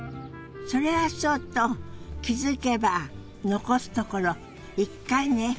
それはそうと気付けば残すところ１回ね。